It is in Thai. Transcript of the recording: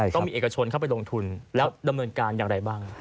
ต้องมีเอกชนเข้าไปลงทุนแล้วดำเนินการอย่างไรบ้าง